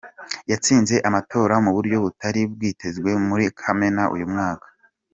Yatsinze amatora mu buryo butari bwitezwe muri Kamena uyu mwaka.